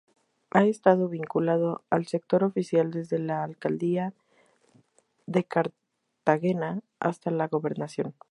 Ha estado vinculado al sector oficial desde la Alcaldía de Cartagena hasta la Gobernación.